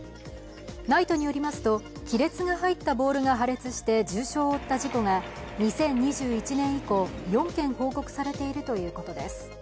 ＮＩＴＥによりますと、亀裂が入ったボールが破裂して重傷を負った事故が、２０２１年以降、４件報告されているということです。